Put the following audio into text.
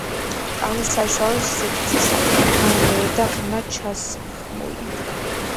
ტანი საშუალო სიგრძისა, განიერი და ღრმად ჩასხმული.